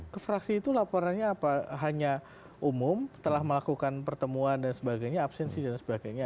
ke fraksi itu laporannya apa hanya umum telah melakukan pertemuan dan sebagainya absensi dan sebagainya